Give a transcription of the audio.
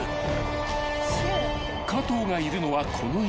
［加藤がいるのはこの位置］